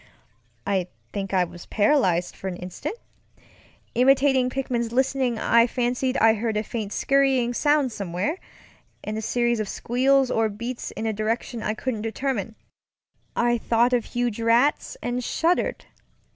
I think I was paralyzed for an instant. Imitating Pickman's listening, I fancied I heard a faint scurrying sound somewhere, and a series of squeals or bleats in a direction I couldn't determine. I thought of huge rats and shuddered.